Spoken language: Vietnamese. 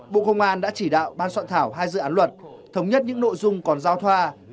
bộ công an đã chỉ đạo ban soạn thảo hai dự án luật thống nhất những nội dung còn giao thoa